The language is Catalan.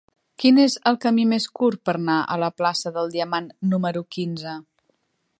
Quin és el camí més curt per anar a la plaça del Diamant número quinze?